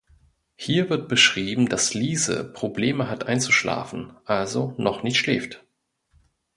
Hier wird beschrieben, dass Liese Probleme hat einzuschlafen, also noch nicht schläft.